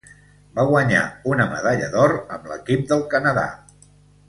Va guanyar una medalla d'or amb l'equip del Canadà.